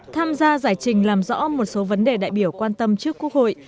tham gia giải trình làm rõ một số vấn đề đại biểu quan tâm trước quốc hội